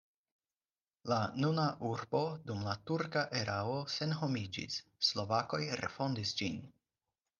La nuna urbo dum la turka erao senhomiĝis, slovakoj refondis ĝin.